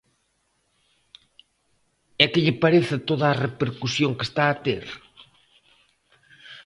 E que lle parece toda a repercusión que está a ter?